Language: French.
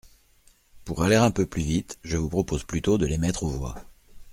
Pour aller un peu plus vite, je vous propose plutôt de les mettre aux voix.